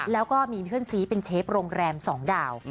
แล้วก็มีเพื่อนซีเป็นเชฟโรงแรม๒ดาว